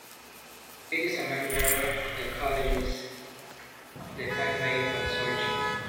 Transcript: It is a member of the Colleges of the Fenway consortium.